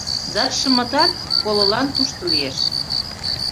— Датшымытат колылан тушто лиеш.